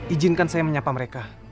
ijinkan saya menyapa mereka